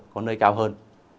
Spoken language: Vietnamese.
có nơi cao hơn